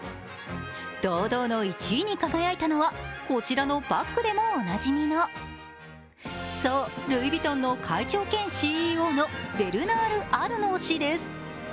堂々の１位に輝いたのは、こちらのバッグでもおなじみのそう、ルイ・ヴィトンの会長兼ＣＥＯのベルナール・アルノー氏です。